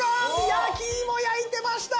焼き芋焼いてました！